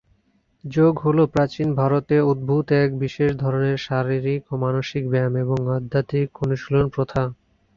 যোগ হল প্রাচীন ভারতে উদ্ভূত এক বিশেষ ধরনের শারীরিক ও মানসিক ব্যায়াম এবং আধ্যাত্মিক অনুশীলন প্রথা।